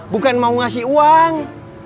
bukan mau ngasih uang